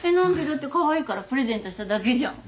だってかわいいからプレゼントしただけじゃん。